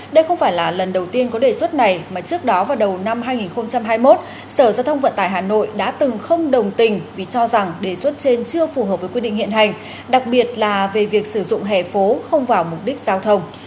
đây không phải là lần đầu tiên có đề xuất này mà trước đó vào đầu năm hai nghìn hai mươi một sở giao thông vận tải hà nội đã từng không đồng tình vì cho rằng đề xuất trên chưa phù hợp với quy định hiện hành đặc biệt là về việc sử dụng hẻ phố không vào mục đích giao thông